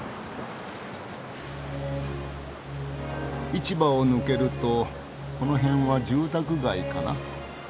市場を抜けるとこの辺は住宅街かな。